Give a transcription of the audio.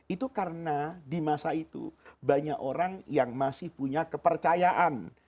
itu karena di masa itu banyak orang yang masih punya kepercayaan